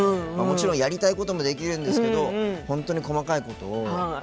もちろん、やりたいこともできるんですけど本当に細かいことを自分が責任持って